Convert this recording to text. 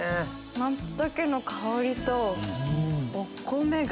松茸の香りとお米が。